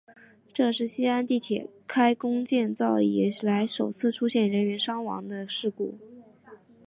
这是西安地铁开工建设以来首次出现人员伤亡的事故。